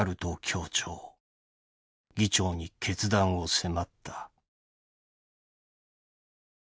議長に決断を迫った」。